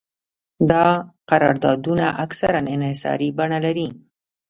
دا قراردادونه اکثراً انحصاري بڼه لري